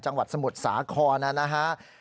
จังหวัดสมุทรสาครนะครับ